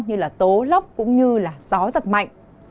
như là tố lốc cũng như là gió giật mạnh